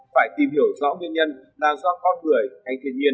phải tìm hiểu rõ nguyên nhân là do con người hay thiên nhiên